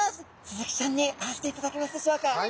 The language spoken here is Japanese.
スズキちゃんに会わせていただけますでしょうか？